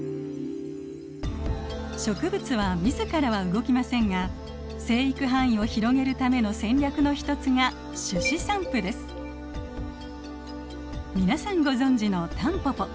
植物は自らは動きませんが生育範囲を広げるための戦略の一つが皆さんご存じのタンポポ。